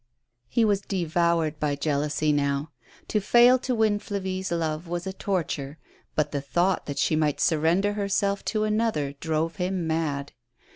He was devoured by jealousy now. To fail to win Flavie's love was a torture; but the thought that she might surrender herself to another drove him mad.